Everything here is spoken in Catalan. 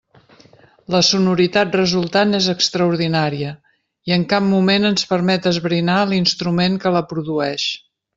La sonoritat resultant és extraordinària, i en cap moment ens permet esbrinar l'instrument que la produeix.